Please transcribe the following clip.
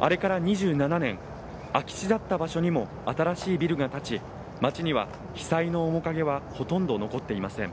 あれから２７年、空き地だった場所にも新しいビルが建ち街には被災の面影はほとんど残っていません。